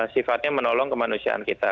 sifatnya menolong kemanusiaan kita